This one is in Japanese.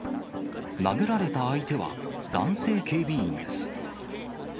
殴られた相手は、男性警備員です。